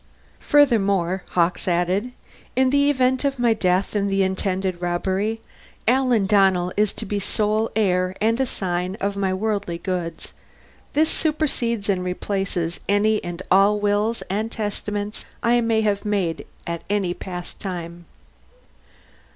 Furthermore, Hawkes added, _in the event of my death in the intended robbery, Alan Donnell is to be sole heir and assign of my worldly goods. This supersedes and replaces any and all wills and testaments I may have made at any past time.